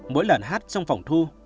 mỗi lần hát trong phòng thu